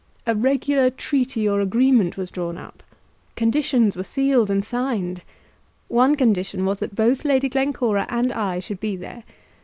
"A regular treaty or agreement was drawn up. Conditions were sealed and signed. One condition was that both Lady Glencora and I should be there.